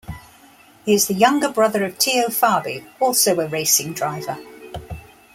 He is the younger brother of Teo Fabi, also a racing driver.